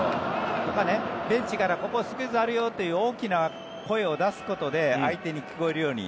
それから、ベンチからここ、スクイズあるよという大きな声を出すことで相手に聞こえるように。